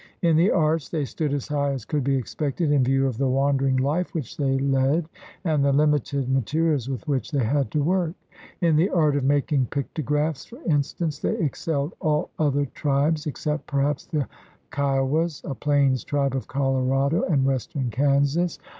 In the arts they stood as high as could be expected in view of the wandering hfe which they led and the Hmited mate rials with which they had to work. In the art of making pictographs, for instance, they excelled all other tribes, except perhaps the Kjowas, a plains tribe of Colorado and western Kansas.